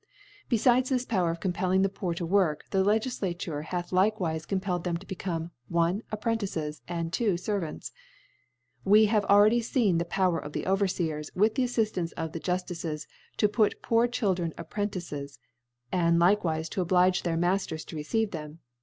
. Befides this Power of compelling the Poor to work, the Legiflatiire hath likewife compelled them to become, i. Apprentices, and, 2d. Servants. We have already feeii the Power of the Overfeers, with the Af fiftartce of the Juftices, to put poor Children Apprentices; and likewife to oblige their Marters ta receive them.